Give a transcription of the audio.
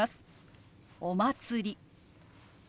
「お祭り」。